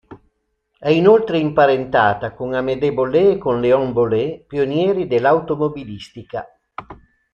È inoltre imparentata con Amédée Bollée e con Léon Bollée, pionieri dell'automobilistica.